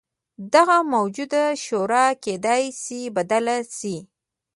دغه موجوده شورا کېدای شي بدله شي.